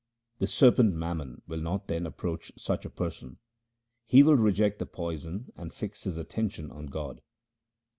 The serpent mammon will not then approach such a person ; he will reject the poison and fix his attention on God.